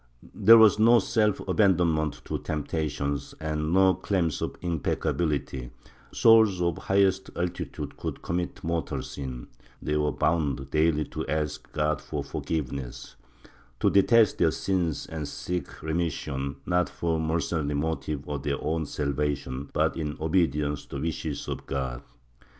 There was no self abandonment to temptations and no claim of impecca bility; souls of the highest altitude could commit mortal sin; they were bound daily to ask God for forgiveness, to detest their sins and seek remission, not for the mercenary motive of their own salvation but in obedience to the wishes of God.